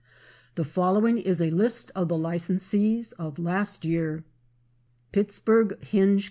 The following is a list of the licensees of last year: Pittsburg Hinge Co.